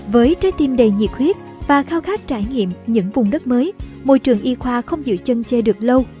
với trái tim đầy nhiệt huyết và khao khát trải nghiệm những vùng đất mới môi trường y khoa không giữ chân chê được lâu